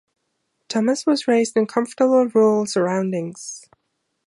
Thomas was raised in comfortable rural surroundings.